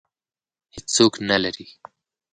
هېڅوک نه لري